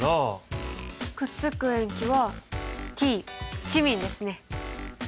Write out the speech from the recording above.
くっつく塩基はＴチミンですね。